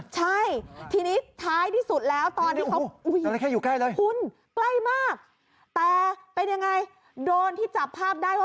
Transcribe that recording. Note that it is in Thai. ใช่ทีนี้ท้ายที่สุดแล้วตอนที่เขา